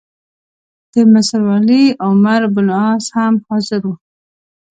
د مصر والي عمروبن عاص هم حاضر وو.